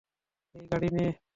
এই, গাড়ি নে।